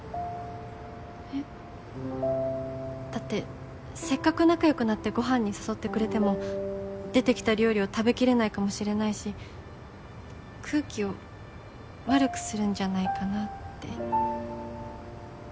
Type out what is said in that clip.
えっ？だってせっかく仲良くなってご飯に誘ってくれても出てきた料理を食べきれないかもしれないし空気を悪くするんじゃないかなって。